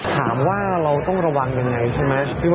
ถามว่าเราต้องระวังยังไงใช่ไหม